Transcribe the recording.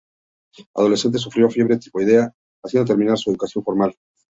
Adolescente, sufrió de fiebre tifoidea, haciendo terminar su educación formal.